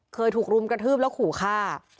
เคยถูกรุมกระทืบแล้วขู่ฆ่า